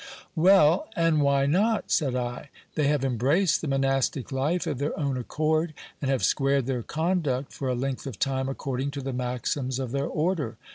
Well ! and why not? said I. They have embraced the monastic life of their own accord, and have squared their conduct for a length of time according to the maxims of their order.